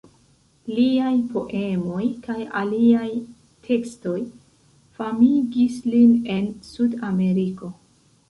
Liaj poemoj kaj aliaj tekstoj famigis lin en Sudameriko.